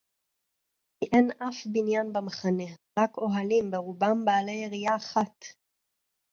כִּי אֵין אַף בִּנְיָן בְּמַחֲנֶה, רַק אֹהָלִים, בְּרֻבָּם בַּעֲלִי יְרִיעָה אַחַת.